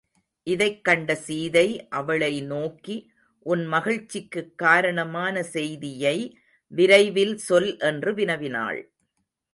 இதைக் கண்ட சீதை, அவளை நோக்கி, உன் மகிழ்ச்சிக்குக் காரணமான செய்தியை விரைவில் சொல் என்று வினவினாள்.